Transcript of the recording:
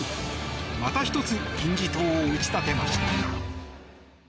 また１つ金字塔を打ち立てました。